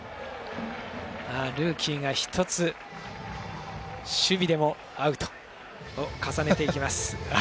ルーキーが１つ守備でもアウトを重ねていきます。